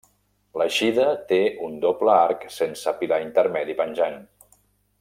L'eixida té un doble arc sense pilar intermedi penjant.